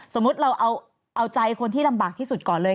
สมมุติเราเอาใจคนที่ลำบากที่สุดก่อนเลย